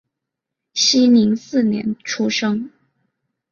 熙宁四年出生。